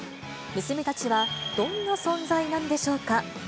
娘たちは、どんな存在なんでしょ